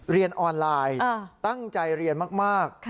เรียนออนไลน์ตั้งใจเรียนมาก